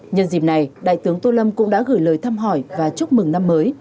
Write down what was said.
nhân dịp này đại tướng tô lâm cũng đã gửi lời thăm hỏi và chúc mừng năm mới